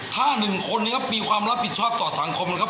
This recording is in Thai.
ถ้าหนึ่งคนนะครับมีความรับผิดชอบต่อสังคมนะครับ